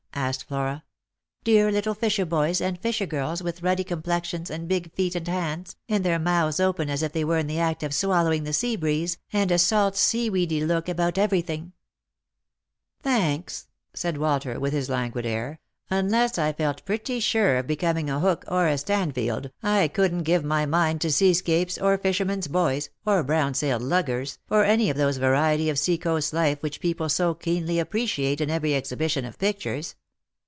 asked Flora. "Dear little fisher boys and fisher girls with ruddy complexions and big feet and hands, and their mouths open as if they were in the act of swallowing the sea breeze, and a salt sea weedy look about everythinsr," Lost for Love. 129 " Thanks," said Walter with his languid air ; unless I felt pretty sure of becoming a Hook or a 8tanfield, I couldn't give my mind to sea scapes, or fishermen's boys, or brown sailed luggers, or any of those varieties of sea coast life which people so keenly appreciate in every exhibition of pictures."